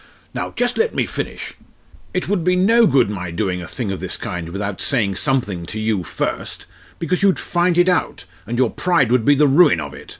"Now just let me finish. It would be no good my doing a thing of this kind without saying something to you first, because you'd find it out, and your pride would be the ruin of it.